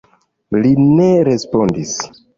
Li ne respondis.